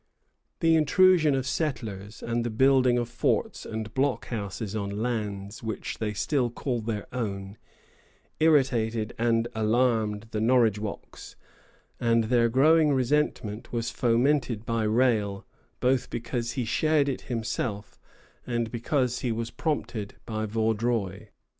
The intrusion of settlers, and the building of forts and blockhouses on lands which they still called their own, irritated and alarmed the Norridgewocks, and their growing resentment was fomented by Rale, both because he shared it himself, and because he was prompted by Vaudreuil.